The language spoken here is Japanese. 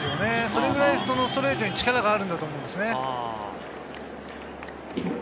それくらいストレートに力があるんだと思うんですね。